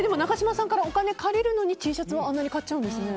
中嶋さんからお金を借りるのにＴシャツをあんなに買っちゃうんですね。